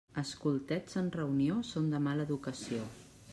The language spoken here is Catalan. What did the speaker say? Escoltets en reunió, són de mala educació.